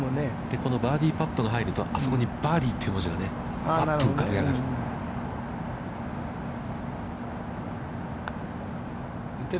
このバーディーパットが入ると、あそこに、バーディーという文字がね、ぱっと浮かび上がる。